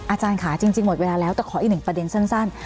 อาจารย์ค่ะจริงหมดเวลาแล้วแต่ขออีกหนึ่งประเด็นสั้น